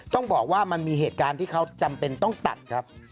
ต้องบอกว่ามันมีเหตุการณ์ที่เขาจำเป็นต้องตัดครับ